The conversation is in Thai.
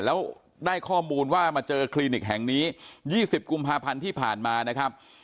แล้วได้ข้อมูลว่ามาเจอคลินิกแห่งนี้๒๐กุมภาพันธ์ที่ผ่านมานะครับ